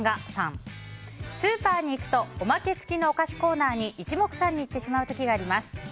スーパーに行くとおまけ付きのお菓子コーナーに一目散に行ってしまう時があります。